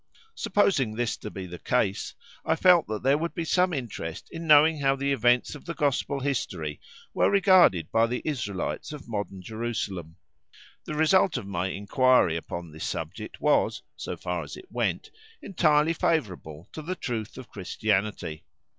Supposing this to be the case, I felt that there would be some interest in knowing how the events of the Gospel history were regarded by the Israelites of modern Jerusalem. The result of my inquiry upon this subject was, so far as it went, entirely favourable to the truth of Christianity.